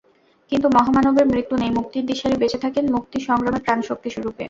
কিন্তু মহামানবের মৃত্যু নেই, মুক্তির দিশারী বেঁচে থাকেন মুক্তি সংগ্রামের প্রাণশক্তিরূপে।